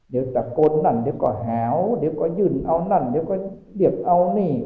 เดี๋ยวตะโกนนั่นเดี๋ยวก็แหววเดี๋ยวก็ยื่นเอานั่นเดี๋ยวก็เรียกเอานี่